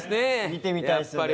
見てみたいですよね。